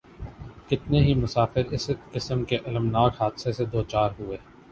کتنے ہی مسافر اس قسم کے الم ناک حادثے سے دوچار ھوۓ